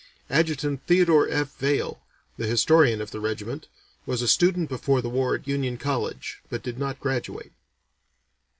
Adjutant Theodore F. Vaill, the historian of the regiment, was a student before the war at Union College, but did not graduate.